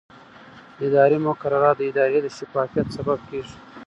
اداري مقررات د ادارې د شفافیت سبب کېږي.